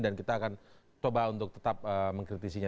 dan kita akan coba untuk tetap mengkritisinya